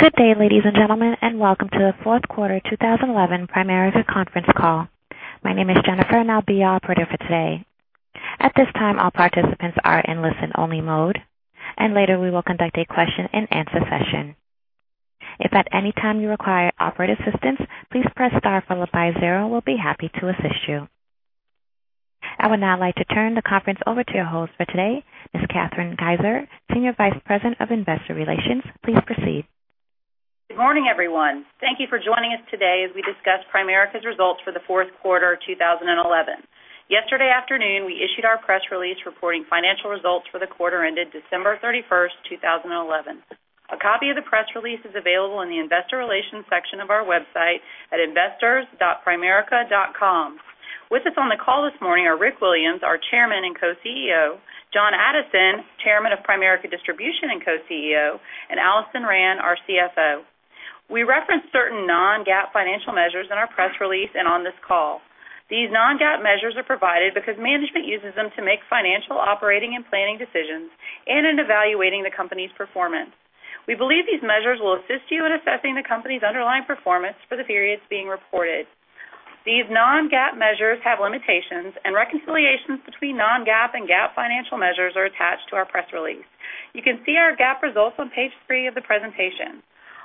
Good day, ladies and gentlemen, and welcome to the fourth quarter 2011 Primerica conference call. My name is Jennifer, and I'll be your operator for today. At this time, all participants are in listen-only mode, and later we will conduct a question-and-answer session. If at any time you require operator assistance, please press star followed by zero, we'll be happy to assist you. I would now like to turn the conference over to your host for today, Ms. Kathryn Kieser, Senior Vice President of Investor Relations. Please proceed. Good morning, everyone. Thank you for joining us today as we discuss Primerica's results for the fourth quarter 2011. Yesterday afternoon, we issued our press release reporting financial results for the quarter ended December 31st, 2011. A copy of the press release is available in the investor relations section of our website at investors.primerica.com. With us on the call this morning are Rick Williams, our Chairman and Co-CEO, John Addison, Chairman of Primerica Distribution and Co-CEO, and Alison Rand, our CFO. We reference certain non-GAAP financial measures in our press release and on this call. These non-GAAP measures are provided because management uses them to make financial operating and planning decisions and in evaluating the company's performance. We believe these measures will assist you in assessing the company's underlying performance for the periods being reported. These non-GAAP measures have limitations, and reconciliations between non-GAAP and GAAP financial measures are attached to our press release. You can see our GAAP results on page three of the presentation.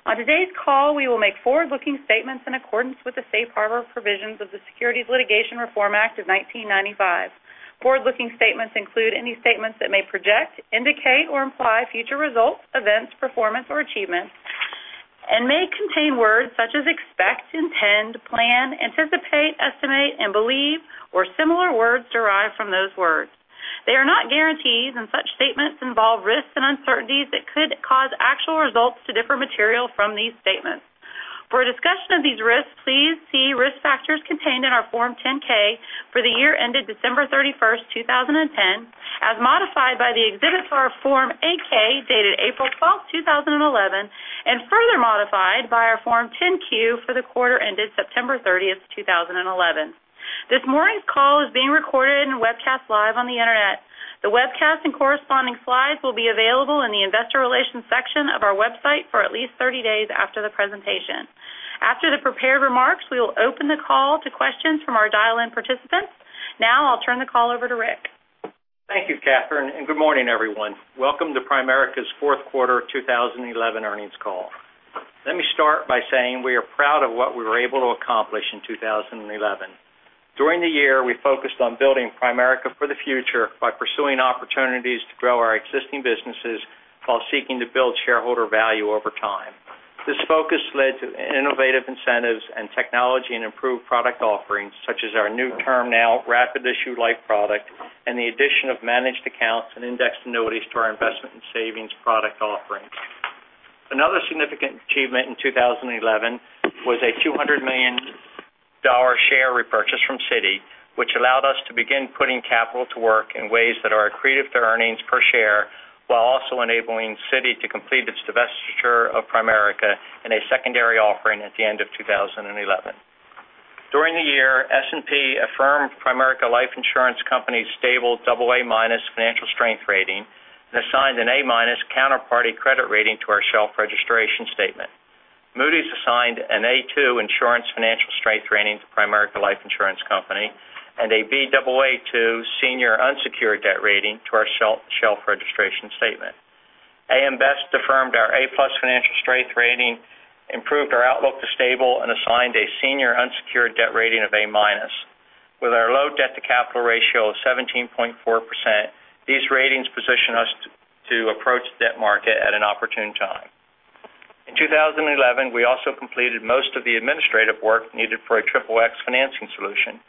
On today's call, we will make forward-looking statements in accordance with the safe harbor provisions of the Private Securities Litigation Reform Act of 1995. Forward-looking statements include any statements that may project, indicate, or imply future results, events, performance, or achievements and may contain words such as expect, intend, plan, anticipate, estimate, and believe, or similar words derived from those words. They are not guarantees, and such statements involve risks and uncertainties that could cause actual results to differ material from these statements. For a discussion of these risks, please see risk factors contained in our Form 10-K for the year ended December 31st, 2010, as modified by the exhibit for our Form 8-K dated April 12th, 2011, and further modified by our Form 10-Q for the quarter ended September 30th, 2011. This morning's call is being recorded and webcast live on the internet. The webcast and corresponding slides will be available in the investor relations section of our website for at least 30 days after the presentation. After the prepared remarks, we will open the call to questions from our dial-in participants. Now I'll turn the call over to Rick. Thank you, Kathryn, and good morning, everyone. Welcome to Primerica's fourth quarter 2011 earnings call. Let me start by saying we are proud of what we were able to accomplish in 2011. During the year, we focused on building Primerica for the future by pursuing opportunities to grow our existing businesses while seeking to build shareholder value over time. This focus led to innovative incentives and technology and improved product offerings such as our new TermNow rapid issue life product and the addition of managed accounts and indexed annuities to our investment and savings product offerings. Another significant achievement in 2011 was a $200 million share repurchase from Citi, which allowed us to begin putting capital to work in ways that are accretive to earnings per share while also enabling Citi to complete its divestiture of Primerica in a secondary offering at the end of 2011. During the year, S&P affirmed Primerica Life Insurance Company's stable double A minus financial strength rating and assigned an A minus counterparty credit rating to our shelf registration statement. Moody's assigned an A.2 insurance financial strength rating to Primerica Life Insurance Company and a Baa2 senior unsecured debt rating to our shelf registration statement. AM Best affirmed our A plus financial strength rating, improved our outlook to stable, and assigned a senior unsecured debt rating of A minus. With our low debt-to-capital ratio of 17.4%, these ratings position us to approach the debt market at an opportune time. In 2011, we also completed most of the administrative work needed for a triple X financing solution.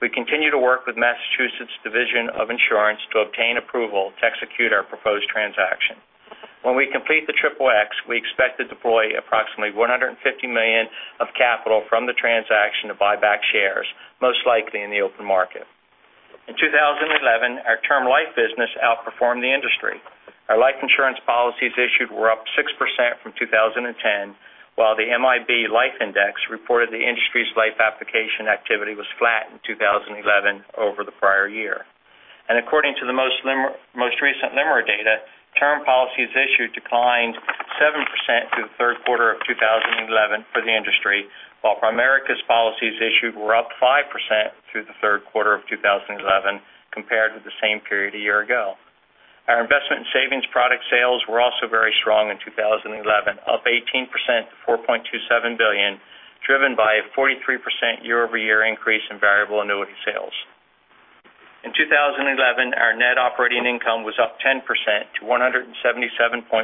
We continue to work with Massachusetts Division of Insurance to obtain approval to execute our proposed transaction. When we complete the triple X, we expect to deploy approximately $150 million of capital from the transaction to buy back shares, most likely in the open market. In 2011, our Term Life business outperformed the industry. Our life insurance policies issued were up 6% from 2010 while the MIB Life Index reported the industry's life application activity was flat in 2011 over the prior year. According to the most recent LIMRA data, term policies issued declined 7% through the third quarter of 2011 for the industry while Primerica's policies issued were up 5% through the third quarter of 2011 compared to the same period a year ago. Our investment and savings product sales were also very strong in 2011, up 18% to $4.27 billion, driven by a 43% year-over-year increase in variable annuity sales. In 2011, our net operating income was up 10% to $177.1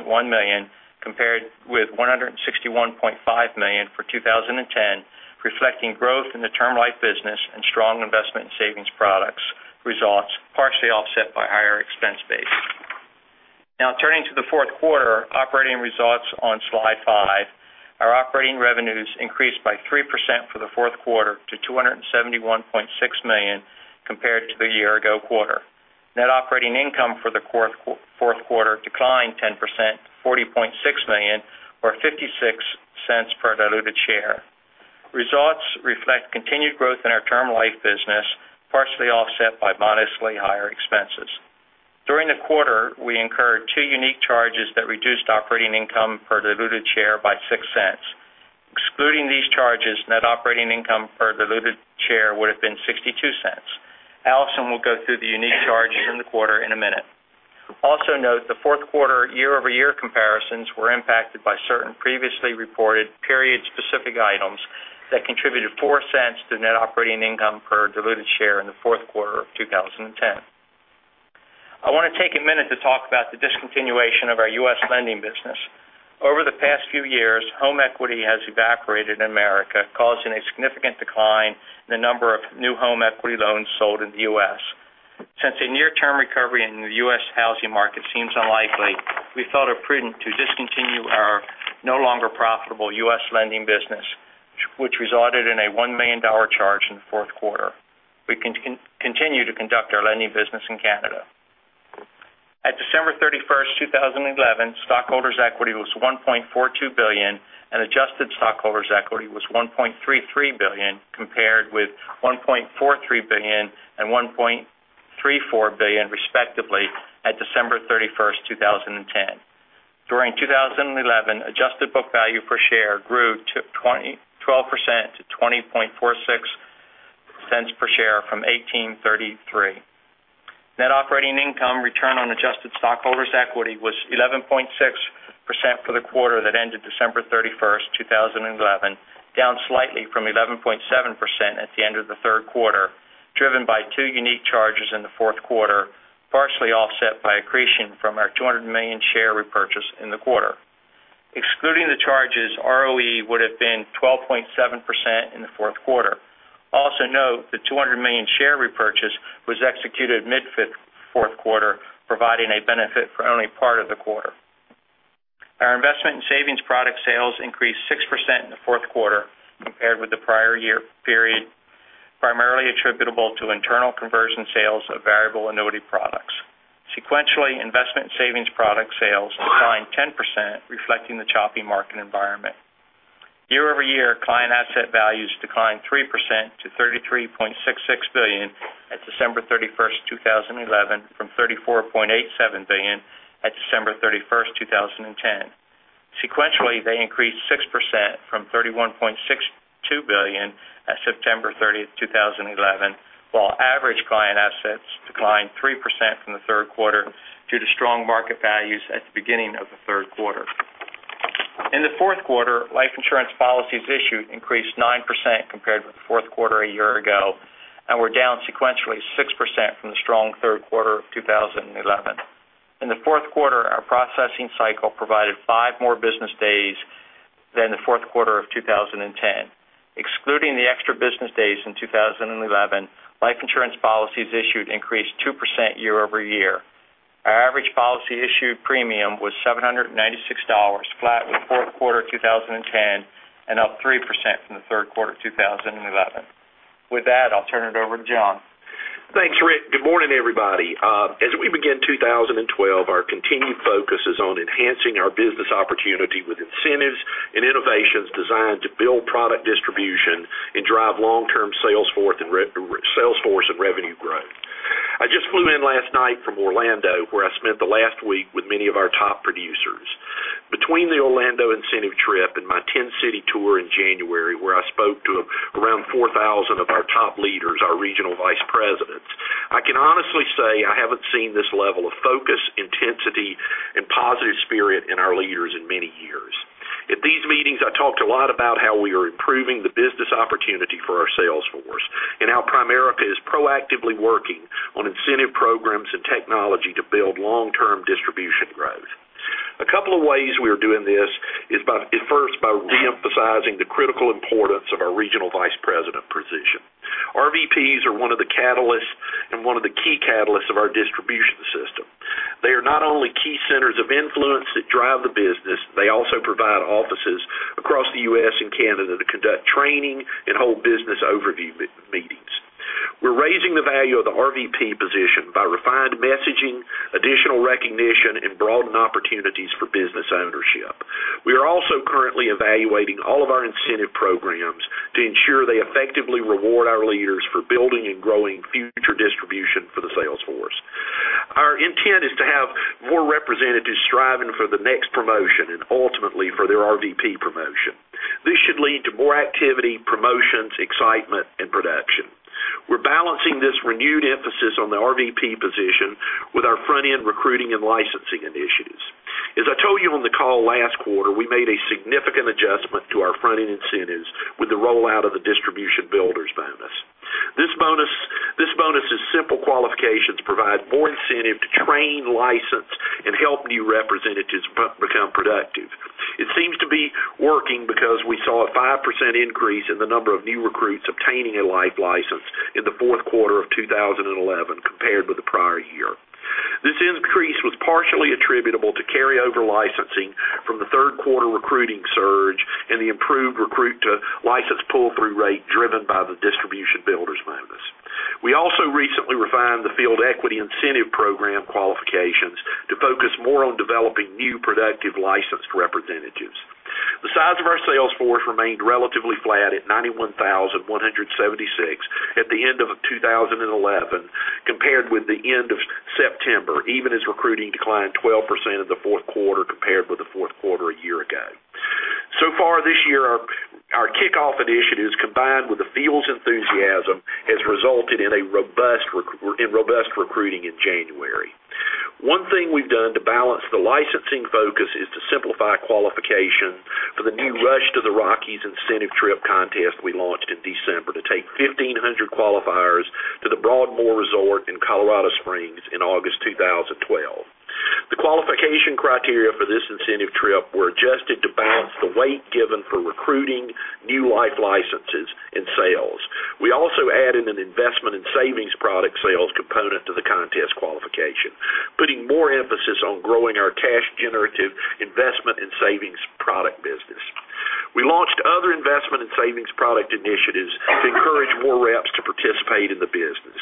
million compared with $161.5 million for 2010, reflecting growth in the Term Life business and strong investment and savings products results partially offset by higher expense base. Now turning to the fourth quarter operating results on slide five. Our operating revenues increased by 3% for the fourth quarter to $271.6 million compared to the year-ago quarter. Net operating income for the fourth quarter declined 10%, $40.6 million, or $0.56 per diluted share. Results reflect continued growth in our Term Life business, partially offset by modestly higher expenses. During the quarter, we incurred two unique charges that reduced operating income per diluted share by $0.06. Excluding these charges, net operating income per diluted share would have been $0.62. Alison will go through the unique charges in the quarter in a minute. Also note the fourth quarter year-over-year comparisons were impacted by certain previously reported period specific items that contributed $0.04 to net operating income per diluted share in the fourth quarter of 2010. I want to take a minute to talk about the discontinuation of our U.S. lending business. Over the past few years, home equity has evacuated America, causing a significant decline in the number of new home equity loans sold in the U.S. Since a near-term recovery in the U.S. housing market seems unlikely, we thought it prudent to discontinue our no longer profitable U.S. lending business, which resulted in a $1 million charge in the fourth quarter. We continue to conduct our lending business in Canada. At December 31st, 2011, stockholders' equity was $1.42 billion, and adjusted stockholders' equity was $1.33 billion, compared with $1.43 billion and $1.34 billion, respectively, at December 31st, 2010. During 2011, adjusted book value per share grew 12% to $20.46 per share from $18.33. Net operating income return on adjusted stockholders' equity was 11.6% for the quarter that ended December 31st, 2011, down slightly from 11.7% at the end of the third quarter, driven by two unique charges in the fourth quarter, partially offset by accretion from our 200 million share repurchase in the quarter. Excluding the charges, ROE would have been 12.7% in the fourth quarter. Also note the 200 million share repurchase was executed mid-fourth quarter, providing a benefit for only part of the quarter. Our investment and savings product sales increased 6% in the fourth quarter compared with the prior year period, primarily attributable to internal conversion sales of variable annuity products. Sequentially, investment and savings product sales declined 10%, reflecting the choppy market environment. Year-over-year, client asset values declined 3% to $33.66 billion at December 31st, 2011, from $34.87 billion at December 31st, 2010. Sequentially, they increased 6% from $31.62 billion at September 30th, 2011, while average client assets declined 3% from the third quarter due to strong market values at the beginning of the third quarter. In the fourth quarter, life insurance policies issued increased 9% compared with the fourth quarter a year ago and were down sequentially 6% from the strong third quarter of 2011. In the fourth quarter, our processing cycle provided five more business days than the fourth quarter of 2010. Excluding the extra business days in 2011, life insurance policies issued increased 2% year-over-year. Our average policy issued premium was $796, flat with fourth quarter 2010 and up 3% from the third quarter 2011. With that, I'll turn it over to John. Thanks, Rick. Good morning, everybody. As we begin 2012, our continued focus is on enhancing our business opportunity with incentives and innovations designed to build product distribution and drive long-term sales force and revenue growth. I just flew in last night from Orlando, where I spent the last week with many of our top producers. Between the Orlando incentive trip and my 10-city tour in January, where I spoke to around 4,000 of our top leaders, our regional vice presidents, I can honestly say I haven't seen this level of focus, intensity, and positive spirit in our leaders in many years. At these meetings, I talked a lot about how we are improving the business opportunity for our sales force and how Primerica is proactively working on incentive programs and technology to build long-term distribution growth. A couple of ways we are doing this is first by re-emphasizing the critical importance of our regional vice president position. RVPs are one of the catalysts and one of the key catalysts of our distribution system. They are not only key centers of influence that drive the business, they also provide offices across the U.S. and Canada to conduct training and hold business overview meetings. We're raising the value of the RVP position by refined messaging, additional recognition, and broaden opportunities for business ownership. We are also currently evaluating all of our incentive programs to ensure they effectively reward our leaders for building and growing future distribution for the sales force. Our intent is to have more representatives striving for the next promotion and ultimately for their RVP promotion. This should lead to more activity, promotions, excitement, and production. We're balancing this renewed emphasis on the RVP position with our front-end recruiting and licensing initiatives. As I told you on the call last quarter, we made a significant adjustment to our front-end incentives with the rollout of the distribution builder's bonus. This bonus' simple qualifications provide more incentive to train, license, and help new representatives become productive. It seems to be working because we saw a 5% increase in the number of new recruits obtaining a life license in the fourth quarter of 2011 compared with the prior year. This increase was partially attributable to carryover licensing from the third quarter recruiting surge and the improved recruit-to-license pull-through rate driven by the distribution builder's bonus. We also recently refined the field equity incentive program qualifications to focus more on developing new, productive, licensed representatives. The size of our sales force remained relatively flat at 91,176 at the end of 2011 compared with the end of September, even as recruiting declined 12% in the fourth quarter compared with the fourth quarter a year ago. So far this year, our kickoff initiatives, combined with the field's enthusiasm, has resulted in robust recruiting in January. One thing we've done to balance the licensing focus is to simplify qualification for the new Rush to the Rockies incentive trip contest we launched in December to take 1,500 qualifiers to the Broadmoor Resort in Colorado Springs in August 2012. The qualification criteria for this incentive trip were adjusted to balance the weight given for recruiting new life licenses and sales. We also added an investment and savings product sales component to the contest qualification, putting more emphasis on growing our cash-generative investment and savings product business. We launched other investment and savings product initiatives to encourage more reps to participate in the business.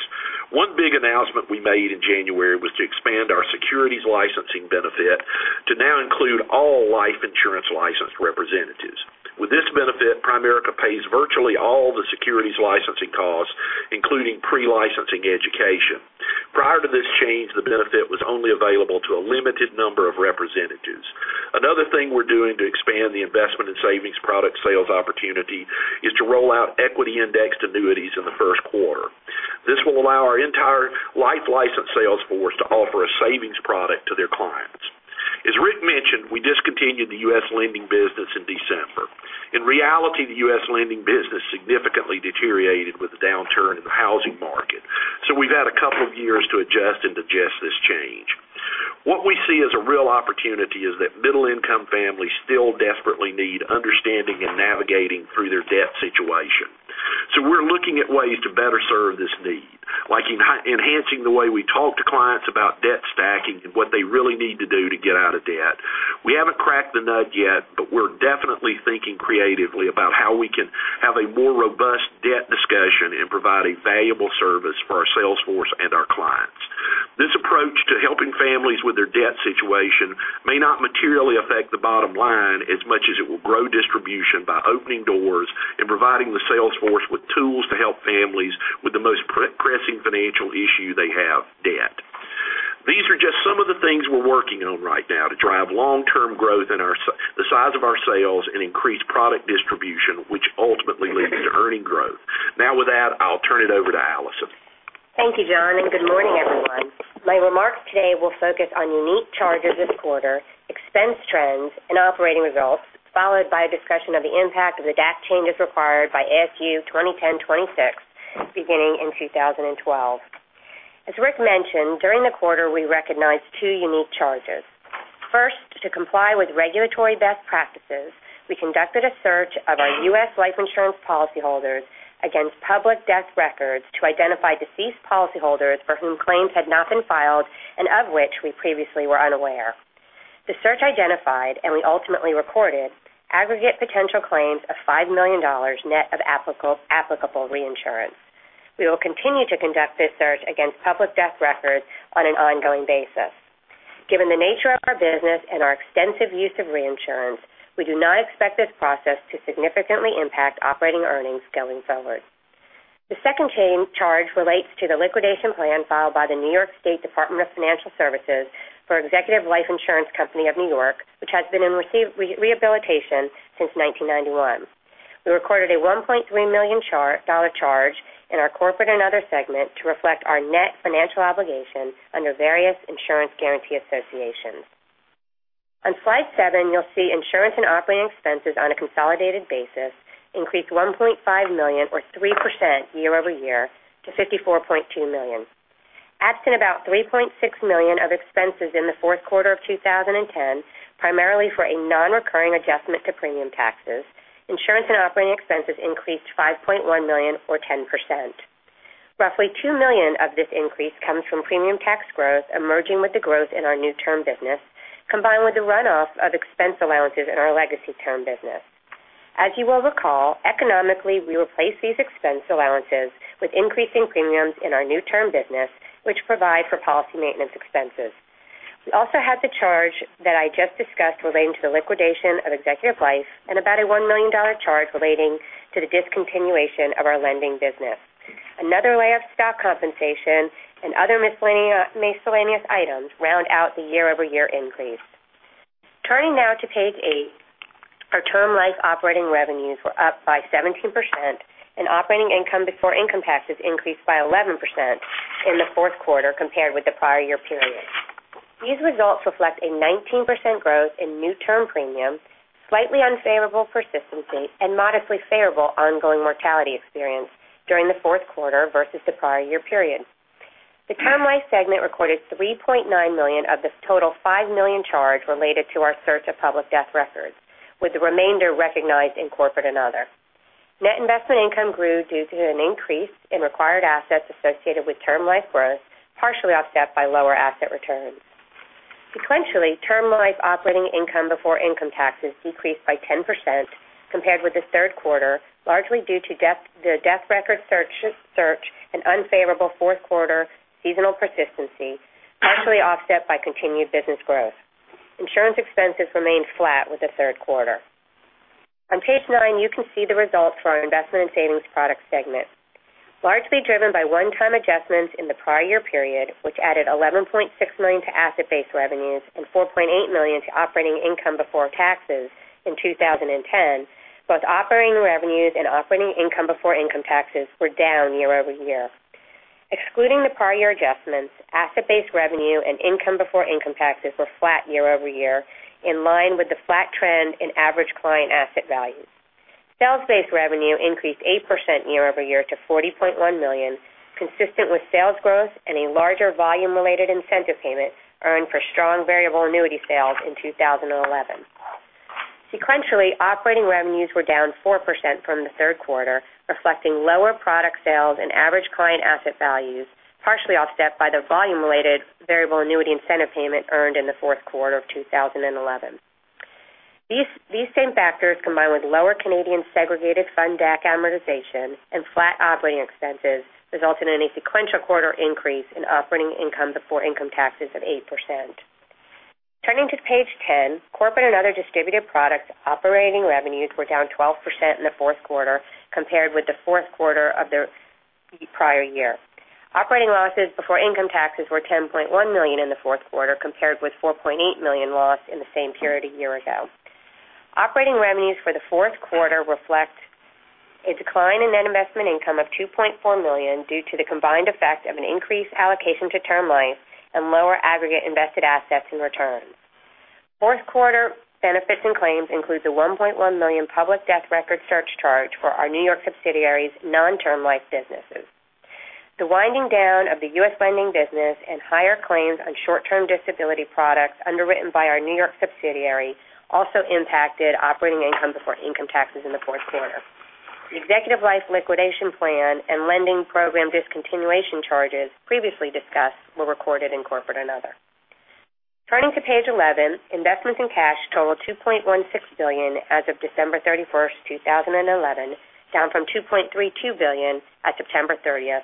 One big announcement we made in January was to expand our securities licensing benefit to now include all life insurance licensed representatives. With this benefit, Primerica pays virtually all the securities licensing costs, including pre-licensing education. Prior to this change, the benefit was only available to a limited number of representatives. Another thing we're doing to expand the investment and savings product sales opportunity is to roll out equity-indexed annuities in the first quarter. This will allow our entire life license sales force to offer a savings product to their clients. As Rick mentioned, we discontinued the U.S. lending business in December. In reality, the U.S. lending business significantly deteriorated with the downturn in the housing market, we've had a couple of years to adjust and digest this change. What we see as a real opportunity is that middle-income families still desperately need understanding in navigating through their debt situation. We're looking at ways to better serve this need, like enhancing the way we talk to clients about debt stacking and what they really need to do to get out of debt. We haven't cracked the nut yet, but we're definitely thinking creatively about how we can have a more robust debt discussion and provide a valuable service for our sales force and our clients. This approach to helping families with their debt situation may not materially affect the bottom line as much as it will grow distribution by opening doors and providing the sales force with tools to help families with the most pressing financial issue they have, debt. These are just some of the things we're working on right now to drive long-term growth in the size of our sales and increase product distribution, which ultimately leads to earning growth. With that, I'll turn it over to Alison. Thank you, John, and good morning, everyone. My remarks today will focus on unique charges this quarter, expense trends, and operating results, followed by a discussion of the impact of the GAAP changes required by ASU 2010-26 beginning in 2012. As Rick mentioned, during the quarter, we recognized two unique charges. First, to comply with regulatory best practices, we conducted a search of our U.S. life insurance policyholders against public death records to identify deceased policyholders for whom claims had not been filed and of which we previously were unaware. The search identified, and we ultimately recorded, aggregate potential claims of $5 million net of applicable reinsurance. We will continue to conduct this search against public death records on an ongoing basis. Given the nature of our business and our extensive use of reinsurance, we do not expect this process to significantly impact operating earnings going forward. The second change charge relates to the liquidation plan filed by the New York State Department of Financial Services for Executive Life Insurance Company of New York, which has been in rehabilitation since 1991. We recorded a $1.3 million charge in our corporate and other segment to reflect our net financial obligation under various insurance guarantee associations. On slide seven, you'll see insurance and operating expenses on a consolidated basis increased $1.5 million or 3% year-over-year to $54.2 million. Absent about $3.6 million of expenses in the fourth quarter of 2010, primarily for a non-recurring adjustment to premium taxes, insurance and operating expenses increased $5.1 million or 10%. Roughly $2 million of this increase comes from premium tax growth emerging with the growth in our new term business, combined with the runoff of expense allowances in our legacy term business. As you will recall, economically, we replace these expense allowances with increasing premiums in our new Term Life business, which provide for policy maintenance expenses. We also had the charge that I just discussed relating to the liquidation of Executive Life and about a $1 million charge relating to the discontinuation of our lending business. Another lay-off stock compensation and other miscellaneous items round out the year-over-year increase. Turning now to page eight, our Term Life operating revenues were up by 17%, and operating income before income taxes increased by 11% in the fourth quarter compared with the prior year period. These results reflect a 19% growth in new Term Life premium, slightly unfavorable persistency, and modestly favorable ongoing mortality experience during the fourth quarter versus the prior year period. The Term Life segment recorded $3.9 million of this total $5 million charge related to our search of public death records, with the remainder recognized in Corporate and Other. Net investment income grew due to an increase in required assets associated with Term Life growth, partially offset by lower asset returns. Sequentially, Term Life operating income before income taxes decreased by 10% compared with the third quarter, largely due to the death record search and unfavorable fourth quarter seasonal persistency, partially offset by continued business growth. Insurance expenses remained flat with the third quarter. On page nine, you can see the results for our Investment and Savings Product segment. Largely driven by one-time adjustments in the prior year period, which added $11.6 million to asset-based revenues and $4.8 million to operating income before taxes in 2010, both operating revenues and operating income before income taxes were down year-over-year. Excluding the prior year adjustments, asset-based revenue and income before income taxes were flat year-over-year, in line with the flat trend in average client asset values. Sales-based revenue increased 8% year-over-year to $40.1 million, consistent with sales growth and a larger volume-related incentive payment earned for strong variable annuity sales in 2011. Sequentially, operating revenues were down 4% from the third quarter, reflecting lower product sales and average client asset values, partially offset by the volume-related variable annuity incentive payment earned in the fourth quarter of 2011. These same factors, combined with lower Canadian segregated fund DAC amortization and flat operating expenses, resulted in a sequential quarter increase in operating income before income taxes of 8%. Turning to page 10, Corporate and Other Distributed Products operating revenues were down 12% in the fourth quarter compared with the fourth quarter of the prior year. Operating losses before income taxes were $10.1 million in the fourth quarter, compared with $4.8 million loss in the same period a year ago. Operating revenues for the fourth quarter reflect a decline in net investment income of $2.4 million due to the combined effect of an increased allocation to Term Life and lower aggregate invested assets and returns. Fourth quarter benefits and claims includes a $1.1 million public death record search charge for our New York subsidiary's non-Term Life businesses. The winding down of the U.S. lending business and higher claims on short-term disability products underwritten by our New York subsidiary also impacted operating income before income taxes in the fourth quarter. The Executive Life liquidation plan and lending program discontinuation charges previously discussed were recorded in Corporate and Other. Turning to page 11, investments in cash totaled $2.16 billion as of December 31, 2011, down from $2.32 billion at September 30th,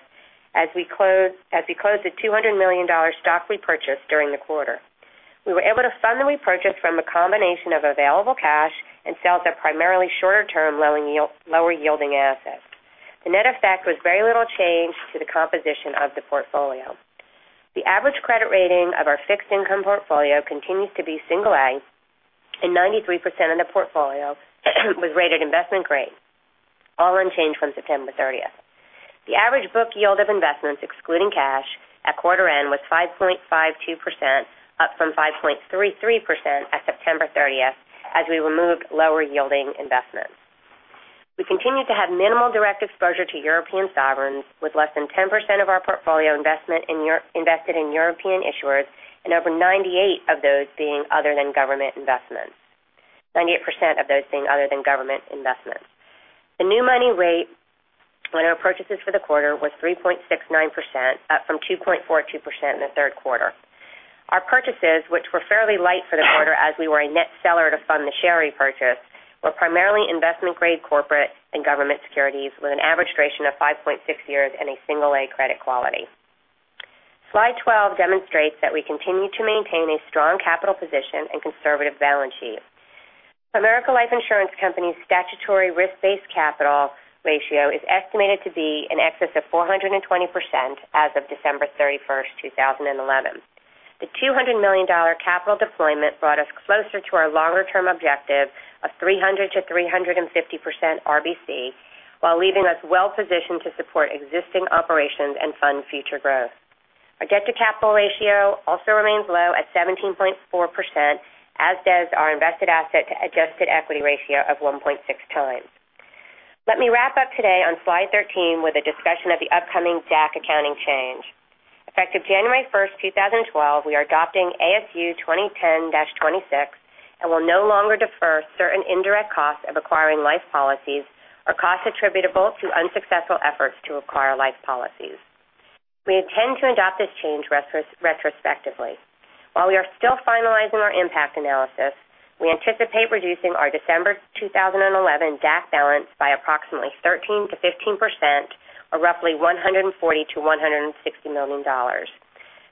as we closed a $200 million stock repurchase during the quarter. We were able to fund the repurchase from a combination of available cash and sales of primarily shorter-term, lower-yielding assets. The net effect was very little change to the composition of the portfolio. The average credit rating of our fixed income portfolio continues to be single A, and 93% of the portfolio was rated investment grade, all unchanged from September 30th. The average book yield of investments, excluding cash, at quarter end was 5.52%, up from 5.33% at September 30th as we removed lower-yielding investments. We continue to have minimal direct exposure to European sovereigns, with less than 10% of our portfolio invested in European issuers and over 98% of those being other than government investments. 98% of those being other than government investments. The new money rate on our purchases for the quarter was 3.69%, up from 2.42% in the third quarter. Our purchases, which were fairly light for the quarter as we were a net seller to fund the share repurchase, were primarily investment-grade corporate and government securities, with an average duration of 5.6 years and a single A credit quality. Slide 12 demonstrates that we continue to maintain a strong capital position and conservative balance sheet. Primerica Life Insurance Company's statutory risk-based capital ratio is estimated to be in excess of 420% as of December 31st, 2011. The $200 million capital deployment brought us closer to our longer-term objective of 300%-350% RBC, while leaving us well positioned to support existing operations and fund future growth. Our debt-to-capital ratio also remains low at 17.4%, as does our invested asset-to-adjusted equity ratio of 1.6 times. Let me wrap up today on slide 13 with a discussion of the upcoming DAC accounting change. Effective January 1st, 2012, we are adopting ASU 2010-26 and will no longer defer certain indirect costs of acquiring life policies or costs attributable to unsuccessful efforts to acquire life policies. We intend to adopt this change retrospectively. While we are still finalizing our impact analysis, we anticipate reducing our December 2011 DAC balance by approximately 13%-15% or roughly $140 million to $160 million.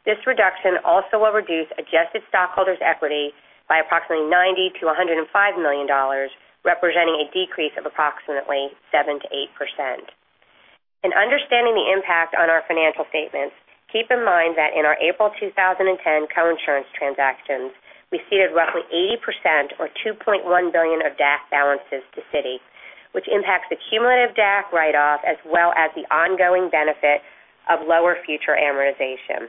This reduction also will reduce adjusted stockholders' equity by approximately $90 million to $105 million, representing a decrease of approximately 7%-8%. In understanding the impact on our financial statements, keep in mind that in our April 2010 coinsurance transactions, we ceded roughly 80% or $2.1 billion of DAC balances to Citi, which impacts the cumulative DAC write-off as well as the ongoing benefit of lower future amortization.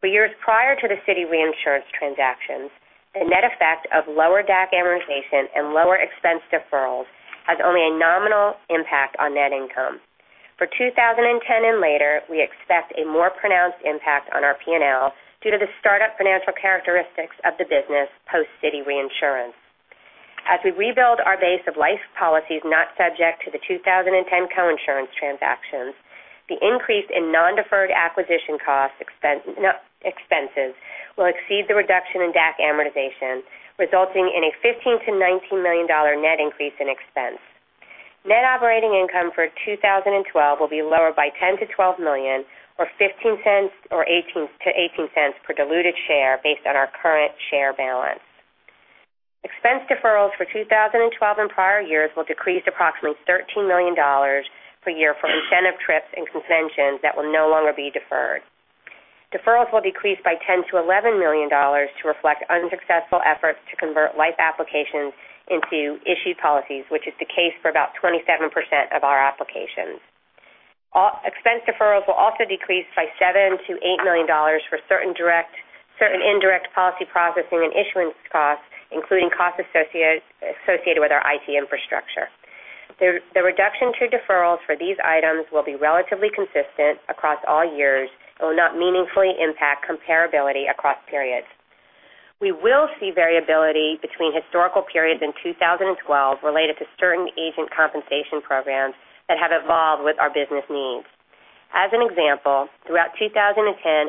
For years prior to the Citi reinsurance transactions, the net effect of lower DAC amortization and lower expense deferrals has only a nominal impact on net income. For 2010 and later, we expect a more pronounced impact on our P&L due to the startup financial characteristics of the business post-Citi reinsurance. As we rebuild our base of life policies not subject to the 2010 coinsurance transactions, the increase in non-deferred acquisition costs expenses will exceed the reduction in DAC amortization, resulting in a $15 million to $19 million net increase in expense. Net operating income for 2012 will be lower by $10 million-$12 million or $0.15-$0.18 per diluted share based on our current share balance. Expense deferrals for 2012 and prior years will decrease approximately $13 million per year for incentive trips and conventions that will no longer be deferred. Deferrals will decrease by $10 million-$11 million to reflect unsuccessful efforts to convert life applications into issued policies, which is the case for about 27% of our applications. Expense deferrals will also decrease by $7 million-$8 million for certain indirect policy processing and issuance costs, including costs associated with our IT infrastructure. The reduction to deferrals for these items will be relatively consistent across all years and will not meaningfully impact comparability across periods. We will see variability between historical periods in 2012 related to certain agent compensation programs that have evolved with our business needs. As an example, throughout 2010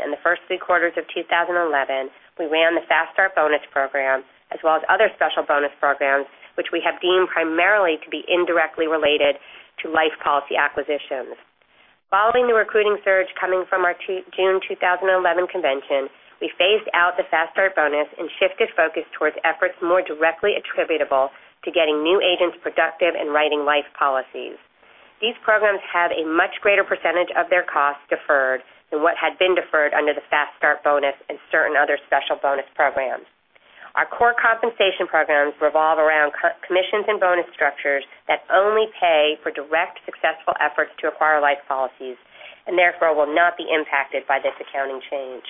and the first three quarters of 2011, we ran the Fast Start Bonus program, as well as other special bonus programs, which we have deemed primarily to be indirectly related to life policy acquisitions. Following the recruiting surge coming from our June 2011 convention, we phased out the Fast Start Bonus and shifted focus towards efforts more directly attributable to getting new agents productive and writing life policies. These programs have a much greater percentage of their costs deferred than what had been deferred under the Fast Start Bonus and certain other special bonus programs. Our core compensation programs revolve around commissions and bonus structures that only pay for direct successful efforts to acquire life policies, therefore will not be impacted by this accounting change.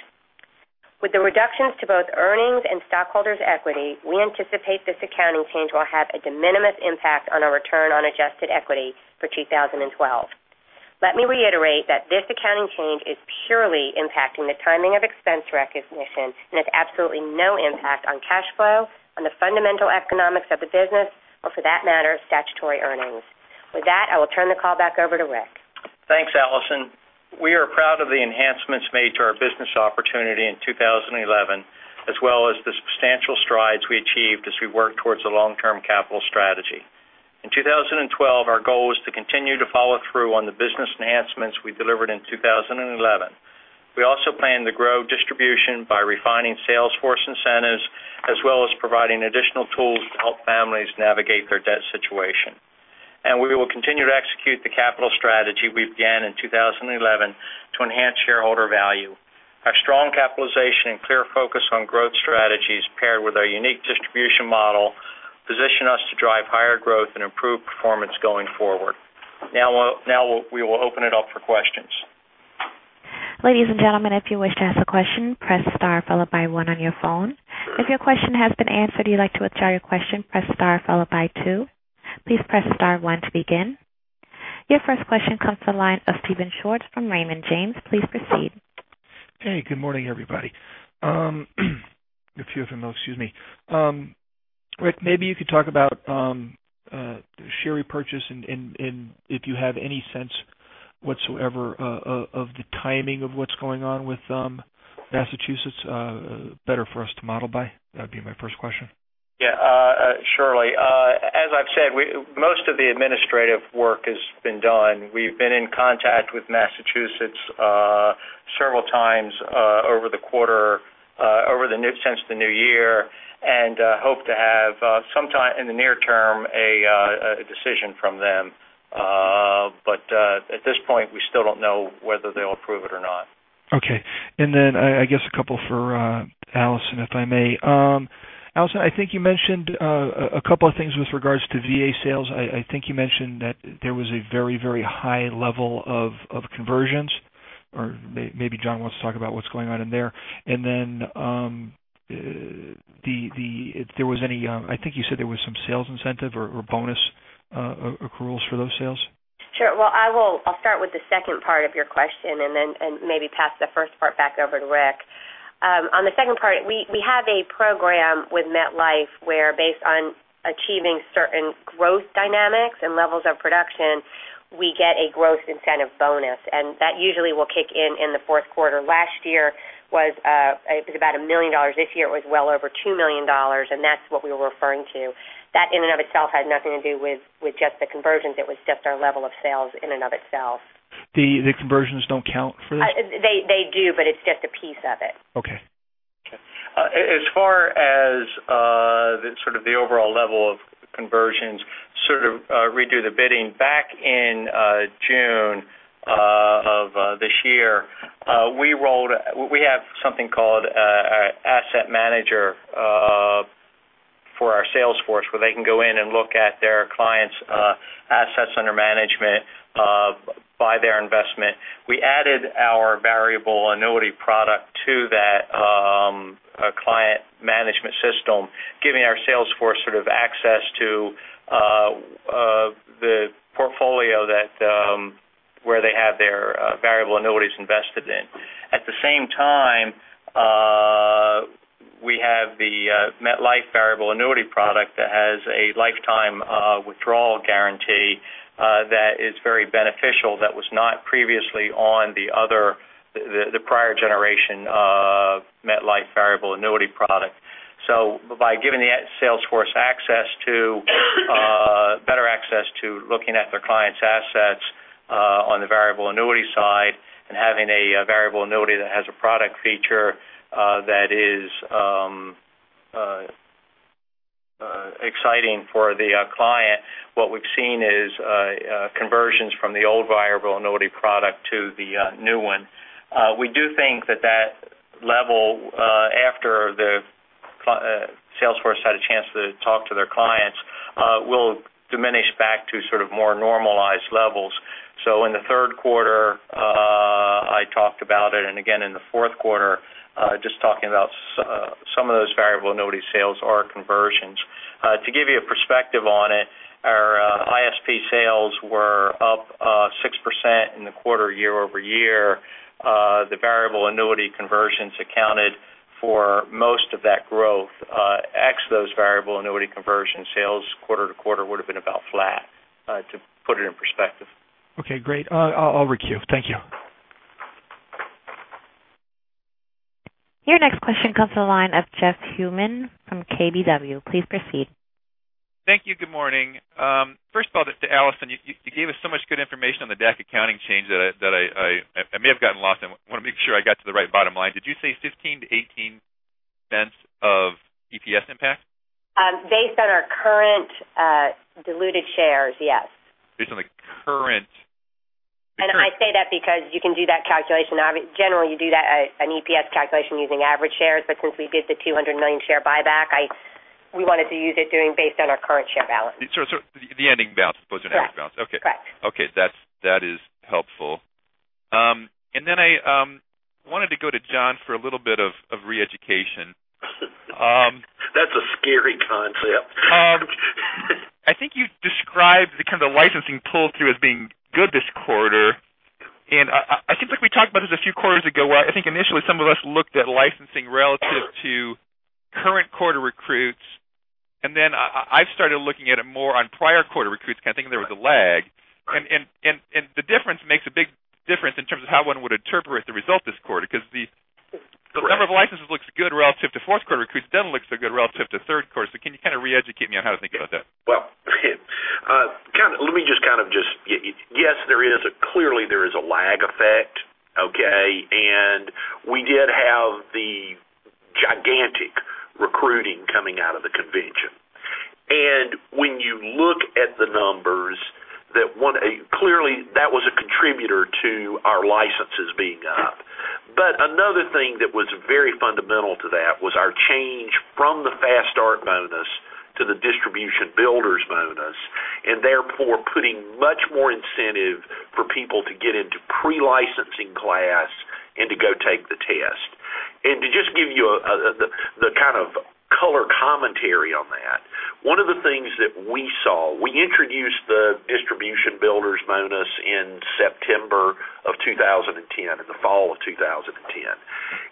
With the reductions to both earnings and stockholders' equity, we anticipate this accounting change will have a de minimis impact on our return on adjusted equity for 2012. Let me reiterate that this accounting change is purely impacting the timing of expense recognition and has absolutely no impact on cash flow, on the fundamental economics of the business or for that matter, statutory earnings. With that, I will turn the call back over to Rick. Thanks, Alison. We are proud of the enhancements made to our business opportunity in 2011, as well as the substantial strides we achieved as we work towards a long-term capital strategy. In 2012, our goal was to continue to follow through on the business enhancements we delivered in 2011. We also plan to grow distribution by refining sales force incentives, as well as providing additional tools to help families navigate their debt situation. We will continue to execute the capital strategy we began in 2011 to enhance shareholder value. Our strong capitalization and clear focus on growth strategies paired with our unique distribution model, position us to drive higher growth and improve performance going forward. We will open it up for questions. Ladies and gentlemen, if you wish to ask a question, press star followed by one on your phone. If your question has been answered or you'd like to withdraw your question, press star followed by two. Please press star one to begin. Your first question comes from the line of Steven Schwartz from Raymond James. Please proceed. Hey, good morning, everybody. A few of them, excuse me. Rick, maybe you could talk about share repurchase and if you have any sense whatsoever of the timing of what's going on with Massachusetts, better for us to model by. That'd be my first question. Yeah. Surely. As I've said, most of the administrative work has been done. We've been in contact with Massachusetts several times over the quarter, since the new year, and hope to have, in the near term, a decision from them. At this point, we still don't know whether they'll approve it or not. Okay. I guess a couple for Alison, if I may. Alison, I think you mentioned a couple of things with regards to VA sales. I think you mentioned that there was a very, very high level of conversions or maybe John wants to talk about what's going on in there. I think you said there was some sales incentive or bonus accruals for those sales. Sure. Well, I'll start with the second part of your question and then maybe pass the first part back over to Rick. On the second part, we have a program with MetLife where based on achieving certain growth dynamics and levels of production, we get a growth incentive bonus, and that usually will kick in in the fourth quarter. Last year was about $1 million. This year it was well over $2 million, and that's what we were referring to. That in and of itself had nothing to do with just the conversions. It was just our level of sales in and of itself. The conversions don't count for this? They do, but it's just a piece of it. Okay. As far as the sort of the overall level of conversions, sort of redo the bidding, back in June of this year, we have something called Asset Manager for our sales force where they can go in and look at their clients' assets under management by their investment. We added our variable annuity product to that client management system, giving our sales force sort of access to the portfolio where they have their variable annuities invested in. At the same time, we have the MetLife variable annuity product that has a lifetime withdrawal guarantee that is very beneficial that was not previously on the prior generation annuity product. By giving the sales force better access to looking at their clients' assets on the variable annuity side, and having a variable annuity that has a product feature that is exciting for the client, what we've seen is conversions from the old variable annuity product to the new one. We do think that that level, after the sales force had a chance to talk to their clients, will diminish back to more normalized levels. In the third quarter, I talked about it, and again, in the fourth quarter, just talking about some of those variable annuity sales are conversions. To give you a perspective on it, our ISP sales were up 6% in the quarter year-over-year. The variable annuity conversions accounted for most of that growth. Ex those variable annuity conversion sales quarter-to-quarter would've been about flat, to put it in perspective. Okay, great. I'll re-queue. Thank you. Your next question comes to the line of Jeff Schuman from KBW. Please proceed. Thank you. Good morning. First of all, to Alison, you gave us so much good information on the DAC accounting change that I may have gotten lost. I want to make sure I got to the right bottom line. Did you say $0.15-$0.18 of EPS impact? Based on our current diluted shares, yes. Based on the current- I say that because you can do that calculation. Generally, you do an EPS calculation using average shares, but since we did the 200 million share buyback, we wanted to use it doing based on our current share balance. The ending balance, suppose the ending balance. Correct. Okay. That is helpful. Then I wanted to go to John for a little bit of re-education. That's a scary concept. I think you described the kind of licensing pull-through as being good this quarter. I think we talked about this a few quarters ago, where I think initially some of us looked at licensing relative to current quarter recruits, then I've started looking at it more on prior quarter recruits because I think there was a lag. Right. The difference makes a big difference in terms of how one would interpret the result this quarter because. Correct the number of licenses looks good relative to fourth quarter recruits. It doesn't look so good relative to third quarter. Can you kind of re-educate me on how to think about that? Well, yes, clearly, there is a lag effect, okay? We did have the gigantic recruiting coming out of the convention. When you look at the numbers, clearly that was a contributor to our licenses being up. Another thing that was very fundamental to that was our change from the Fast Start Bonus to the distribution builder's bonus, and therefore putting much more incentive for people to get into pre-licensing class and to go take the test. To just give you the kind of color commentary on that, one of the things that we saw, we introduced the distribution builder's bonus in September of 2010, in the fall of 2010.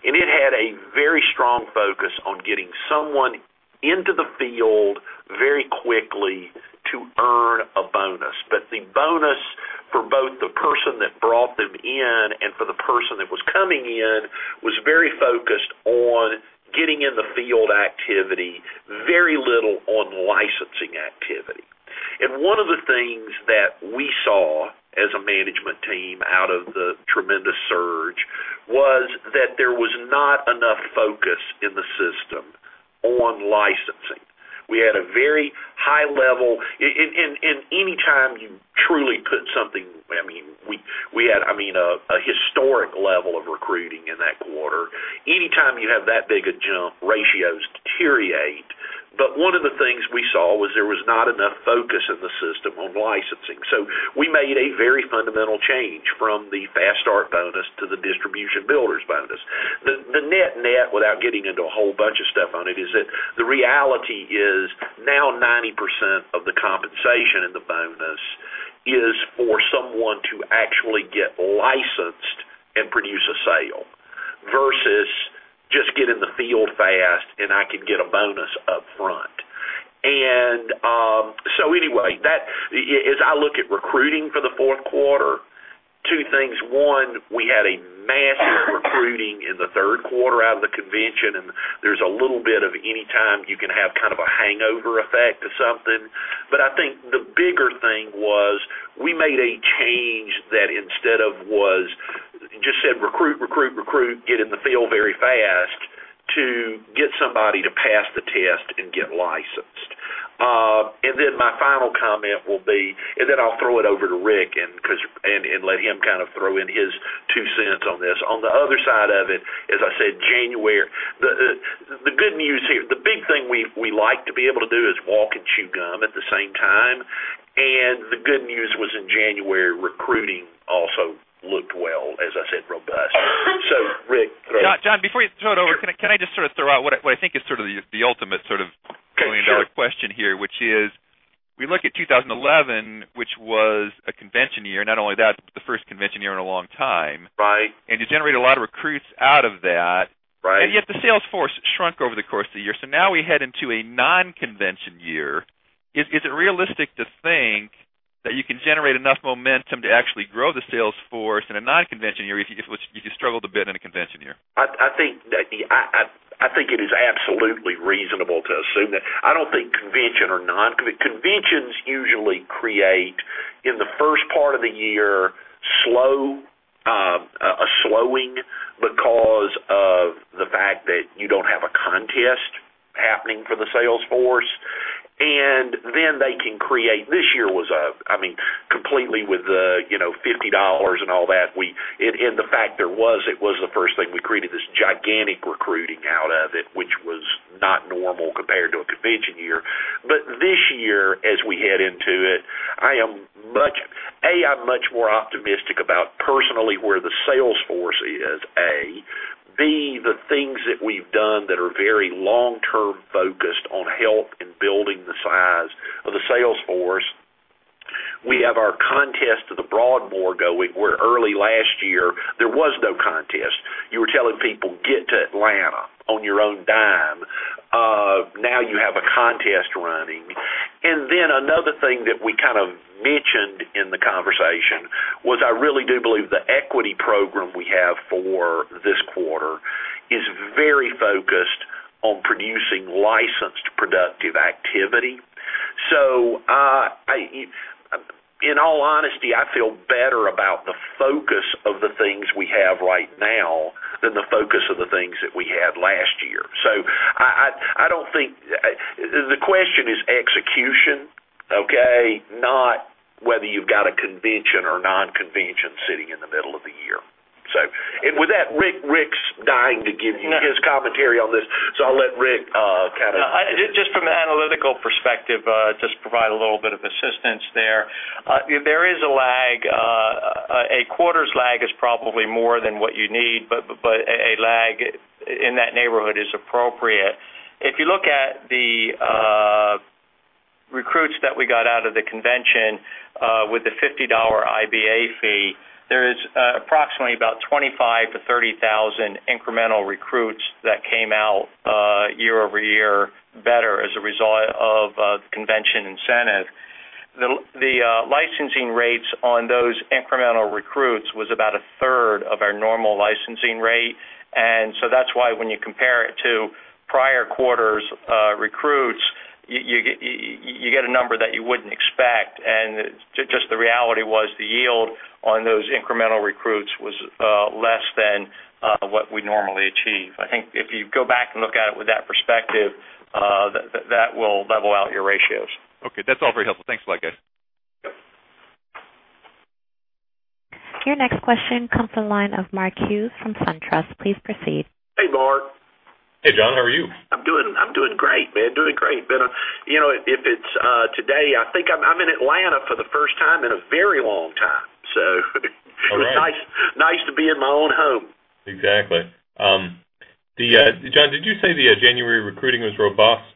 It had a very strong focus on getting someone into the field very quickly to earn a bonus. the bonus for both the person that brought them in and for the person that was coming in, was very focused on getting in the field activity, very little on licensing activity. One of the things that we saw as a management team out of the tremendous surge was that there was not enough focus in the system on licensing. We had a very high level. We had a historic level of recruiting in that quarter. Any time you have that big a jump, ratios deteriorate. One of the things we saw was there was not enough focus in the system on licensing. We made a very fundamental change from the Fast Start Bonus to the distribution builder's bonus. The net without getting into a whole bunch of stuff on it, is that the reality is now 90% of the compensation in the bonus is for someone to actually get licensed and produce a sale, versus just get in the field fast, and I can get a bonus up front. Anyway, as I look at recruiting for the fourth quarter, two things. One, we had a massive recruiting in the third quarter out of the convention, and there's a little bit of any time you can have kind of a hangover effect of something. I think the bigger thing was we made a change that instead of was just said, "Recruit, recruit, get in the field very fast," to get somebody to pass the test and get licensed. My final comment will be, and then I'll throw it over to Rick, and let him kind of throw in his $0.02 on this. On the other side of it, as I said, the big thing we like to be able to do is walk and chew gum at the same time, and the good news was in January, recruiting also looked well, as I said, robust. Rick, throw- John, before you throw it over- Sure. Can I just sort of throw out what I think is sort of the ultimate sort of million- Sure dollar question here, which is, we look at 2011, which was a convention year. Not only that, but the first convention year in a long time. Right. You generate a lot of recruits out of that. Right. The sales force shrunk over the course of the year. Now we head into a non-convention year. Is it realistic to think that you can generate enough momentum to actually grow the sales force in a non-convention year if you struggled a bit in a convention year? I think it is absolutely reasonable to assume that. I don't think convention or non-convention. Conventions usually create, in the first part of the year, a slowing because of the fact that you don't have a contest happening for the sales force. This year was, completely with the $50 and all that, and the fact there was, it was the first thing, we created this gigantic recruiting out of it, which was not normal compared to a convention year. This year, as we head into it, A, I'm much more optimistic about personally where the sales force is, A. B, the things that we've done that are very long-term focused on help and building the size of the sales force. We have our contest to the Broadmoor going, where early last year there was no contest. You were telling people, "Get to Atlanta on your own dime." Now you have a contest running. Another thing that we kind of mentioned in the conversation was I really do believe the equity program we have for this quarter is very focused on producing licensed, productive activity. In all honesty, I feel better about the focus of the things we have right now than the focus of the things that we had last year. The question is execution, okay, not whether you've got a convention or non-convention sitting in the middle of the year. With that, Rick's dying to give you his commentary on this, I'll let Rick. Just from an analytical perspective, just provide a little bit of assistance there. There is a lag. A quarter's lag is probably more than what you need, but a lag in that neighborhood is appropriate. If you look at the recruits that we got out of the convention with the $50 IBA fee, there is approximately about 25,000 to 30,000 incremental recruits that came out year-over-year better as a result of convention incentive. The licensing rates on those incremental recruits was about a third of our normal licensing rate, and so that's why when you compare it to prior quarters' recruits, you get a number that you wouldn't expect, and just the reality was the yield on those incremental recruits was less than what we normally achieve. I think if you go back and look at it with that perspective, that will level out your ratios. Okay. That's all very helpful. Thanks a lot, guys. Yep. Your next question comes from the line of Mark Hughes from SunTrust. Please proceed. Hey, Mark. Hey, John. How are you? I'm doing great, man. Doing great. If it's today, I think I'm in Atlanta for the first time in a very long time, so it's nice to be in my own home. Exactly. John, did you say the January recruiting was robust?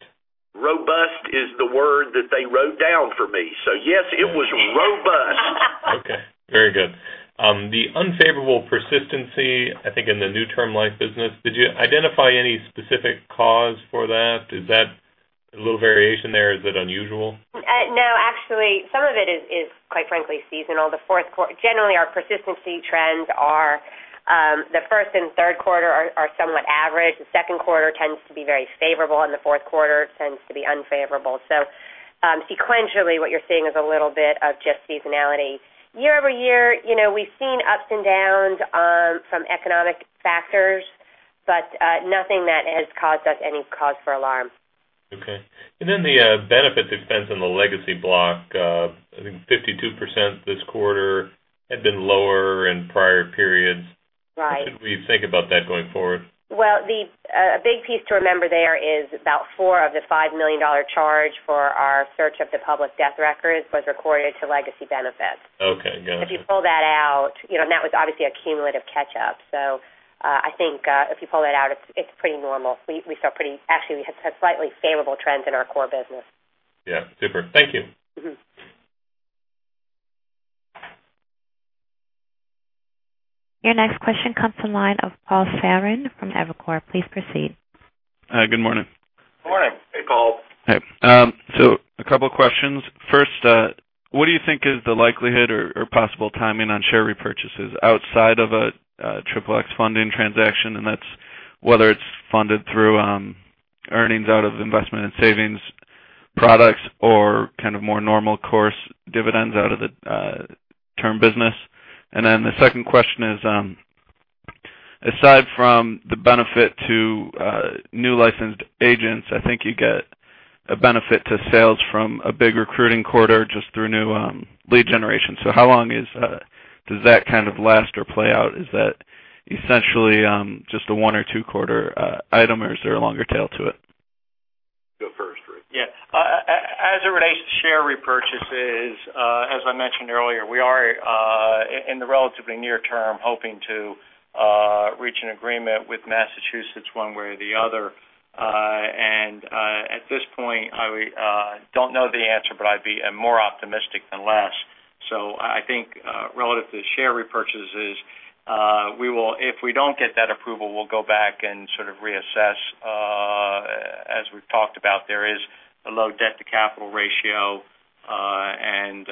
Robust is the word that they wrote down for me. Yes, it was robust. Okay. Very good. The unfavorable persistency, I think in the new term life business, did you identify any specific cause for that? Is that a little variation there? Is it unusual? No, actually, some of it is quite frankly, seasonal. Generally, our persistency trends are the first and third quarter are somewhat average. The second quarter tends to be very favorable, and the fourth quarter tends to be unfavorable. Sequentially, what you're seeing is a little bit of just seasonality. Year-over-year, we've seen ups and downs from economic factors, but nothing that has caused us any cause for alarm. Okay. Then the benefit expense on the legacy block, I think 52% this quarter, had been lower in prior periods. Right. How should we think about that going forward? Well, a big piece to remember there is about four of the $5 million charge for our search of the public death records was recorded to legacy benefits. Okay, got it. If you pull that out, and that was obviously a cumulative catch-up, so I think if you pull that out, it's pretty normal. Actually, we had slightly favorable trends in our core business. Yeah. Super. Thank you. Your next question comes from the line of Paul Feren from Evercore. Please proceed. Good morning. Morning. Hey, Paul. A couple of questions. First, what do you think is the likelihood or possible timing on share repurchases outside of a Regulation XXX funding transaction? That's whether it's funded through earnings out of investment and savings products or kind of more normal course dividends out of the term business. The second question is, aside from the benefit to new licensed agents, I think you get a benefit to sales from a big recruiting quarter just through new lead generation. How long does that kind of last or play out? Is that essentially just a one or two quarter item or is there a longer tail to it? Go first, Rick. Yeah. As it relates to share repurchases, as I mentioned earlier, we are in the relatively near term hoping to reach an agreement with Massachusetts one way or the other. At this point, I don't know the answer, but I'd be more optimistic than less. I think relative to share repurchases, if we don't get that approval, we'll go back and sort of reassess. As we've talked about, there is a low debt-to-capital ratio, and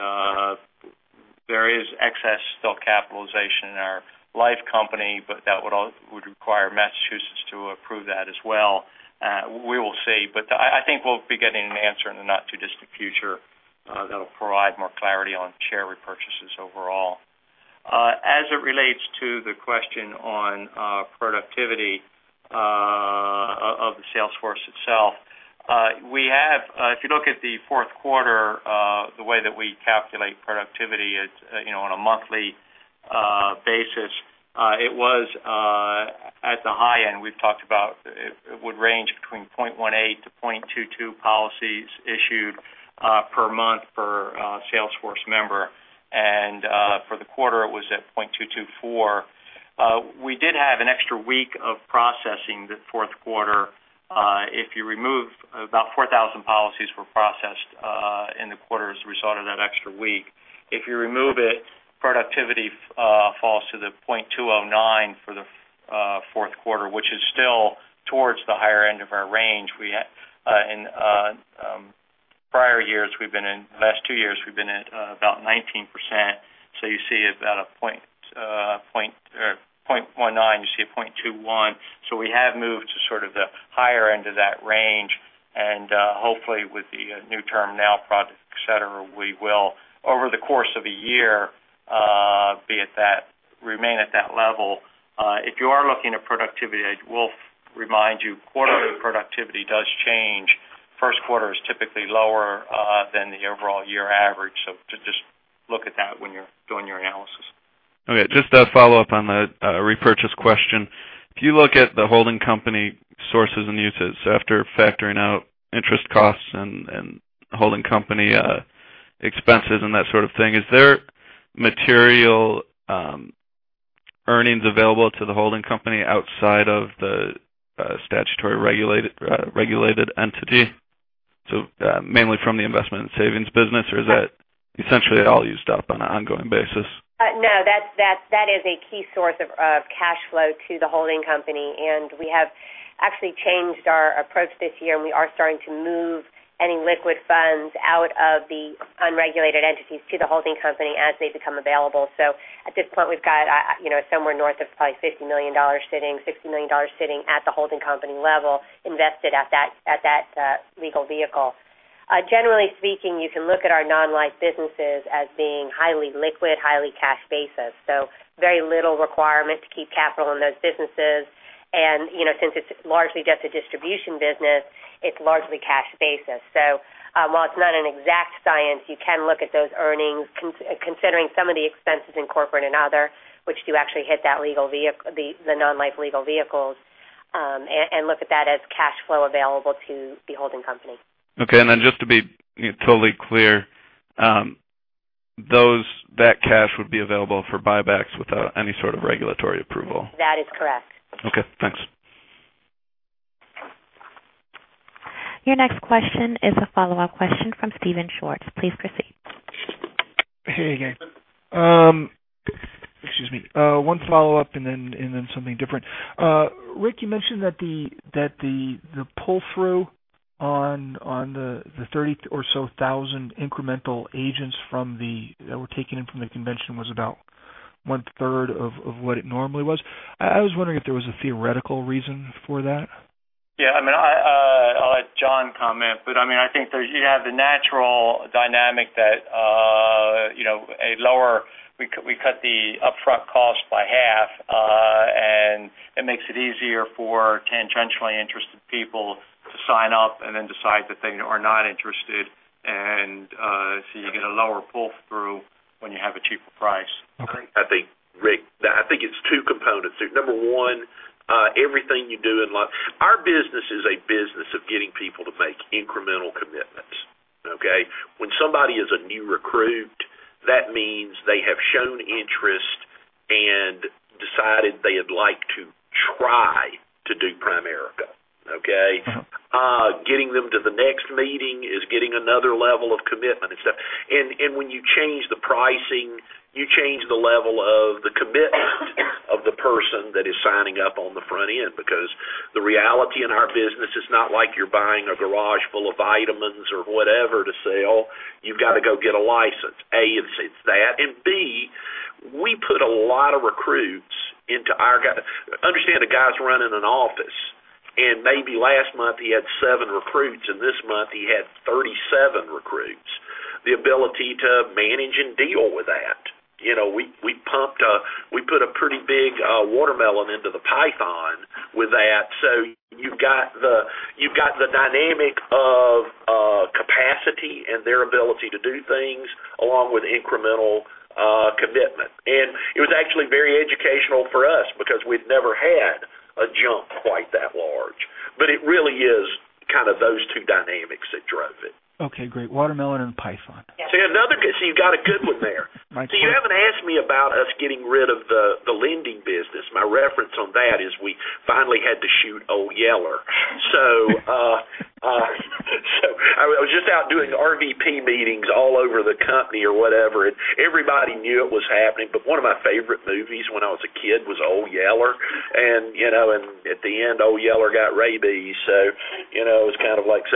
there is excess still capitalization in our life company, but that would require Massachusetts to approve that as well. We will see, I think we'll be getting an answer in the not-too-distant future that'll provide more clarity on share repurchases overall. As it relates to the question on productivity of the sales force itself, if you look at the fourth quarter, the way that we calculate productivity on a monthly basis, it was at the high end. We've talked about it would range between 0.18-0.22 policies issued per month for a sales force member. For the quarter, it was at 0.224. We did have an extra week of processing the fourth quarter. About 4,000 policies were processed in the quarter as a result of that extra week. If you remove it, productivity falls to the 0.209 for the fourth quarter, which is still towards the higher end of our range. In the last two years, we've been at about 19%. You see about a 0.19, you see a 0.21. We have moved to sort of the higher end of that range, hopefully with the new TermNow product, et cetera, we will, over the course of a year, remain at that level. If you are looking at productivity, I will remind you, quarter productivity does change. First quarter is typically lower than the overall year average. Just look at that when you're doing your analysis. Okay. Just a follow-up on the repurchase question. If you look at the holding company sources and uses, after factoring out interest costs and holding company expenses and that sort of thing, is there material earnings available to the holding company outside of the statutory regulated entity? Mainly from the investment and savings business, or is that essentially all used up on an ongoing basis? No, that is a key source of cash flow to the holding company, and we have actually changed our approach this year, and we are starting to move any liquid funds out of the unregulated entities to the holding company as they become available. At this point, we've got somewhere north of probably $50 million, $60 million sitting at the holding company level invested at that legal vehicle. Generally speaking, you can look at our non-life businesses as being highly liquid, highly cash basis, so very little requirement to keep capital in those businesses. Since it's largely just a distribution business, it's largely cash basis. While it's not an exact science, you can look at those earnings considering some of the expenses in corporate and other, which do actually hit the non-life legal vehicles, and look at that as cash flow available to the holding company. Okay. Just to be totally clear, that cash would be available for buybacks without any sort of regulatory approval? That is correct. Okay, thanks. Your next question is a follow-up question from Steven Schwartz. Please proceed. Hey again. Excuse me. One follow-up and then something different. Rick, you mentioned that the pull-through on the 30,000 or so incremental agents that were taken in from the convention was about one-third of what it normally was. I was wondering if there was a theoretical reason for that. Yeah, I'll let John comment, but I think you have the natural dynamic that we cut the upfront cost by half, and it makes it easier for tangentially interested people to sign up and then decide that they are not interested. So you get a lower pull-through when you have a cheaper price. Okay. Rick, I think it's two components. Number one, our business is a business of getting people to make incremental commitments, okay? When somebody is a new recruit, that means they have shown interest and decided they would like to try to do Primerica, okay? When you change the pricing, you change the level of the commitment of the person that is signing up on the front end because the reality in our business is not like you're buying a garage full of vitamins or whatever to sell. You've got to go get a license. A, it's that, and B, we put a lot of recruits into our understand the guy's running an office, and maybe last month he had seven recruits, and this month he had 37 recruits. The ability to manage and deal with that. We put a pretty big watermelon into the python with that. You've got the dynamic of capacity and their ability to do things along with incremental commitment. It was actually very educational for us because we'd never had a jump quite that large. It really is kind of those two dynamics that drove it. Okay, great. Watermelon and python. You got a good one there. My turn. You haven't asked me about us getting rid of the lending business. My reference on that is we finally had to shoot Old Yeller. I was just out doing RVP meetings all over the company or whatever, and everybody knew it was happening. One of my favorite movies when I was a kid was "Old Yeller." At the end, Old Yeller got rabies. It was kind of like.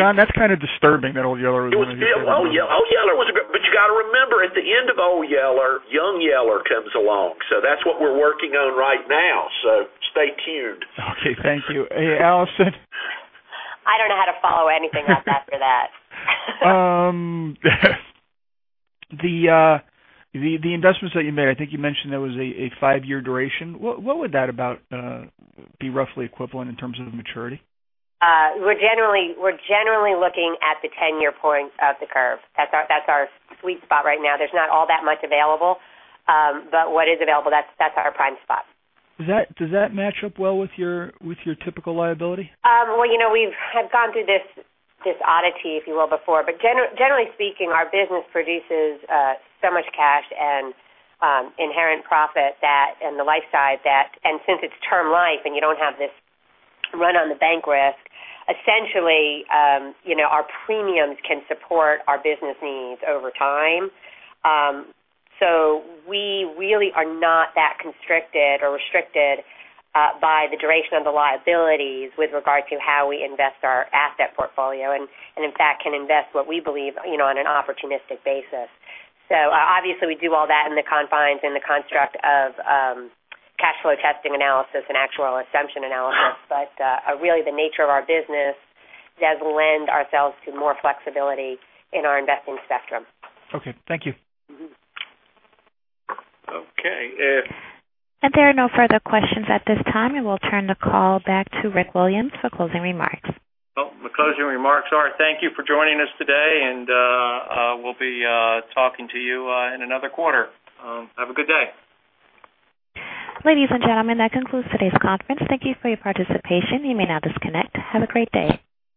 John, that's kind of disturbing that Old Yeller was one of your favorite movies. Old Yeller was a great. You got to remember at the end of Old Yeller, Young Yeller comes along. That's what we're working on right now. Stay tuned. Okay. Thank you. Alison? I don't know how to follow anything up after that. The investments that you made, I think you mentioned that was a five-year duration. What would that about be roughly equivalent in terms of maturity? We're generally looking at the 10-year point of the curve. That's our sweet spot right now. There's not all that much available. What is available, that's our prime spot. Does that match up well with your typical liability? Well, we've gone through this oddity, if you will, before. Generally speaking, our business produces so much cash and inherent profit and the life side that, and since it's term life and you don't have this run on the bank risk, essentially, our premiums can support our business needs over time. We really are not that constricted or restricted by the duration of the liabilities with regard to how we invest our asset portfolio and in fact can invest what we believe on an opportunistic basis. Obviously we do all that in the confines, in the construct of cash flow testing analysis and actual assumption analysis. Really the nature of our business does lend ourselves to more flexibility in our investing spectrum. Okay. Thank you. Okay. There are no further questions at this time, and we'll turn the call back to Rick Williams for closing remarks. Well, my closing remarks are thank you for joining us today, we'll be talking to you in another quarter. Have a good day. Ladies and gentlemen, that concludes today's conference. Thank you for your participation. You may now disconnect. Have a great day.